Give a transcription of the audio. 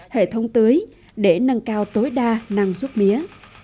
hệ thống tưới để nâng cao tối đa năng suất mía